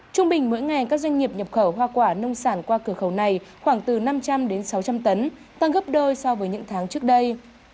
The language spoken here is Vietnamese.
trung bình mỗi ngày các doanh nghiệp nhập khẩu hoa quả nông sản qua cửa khẩu này khoảng từ năm trăm linh đến sáu trăm linh tấn tăng gấp đôi so với những tháng trước đây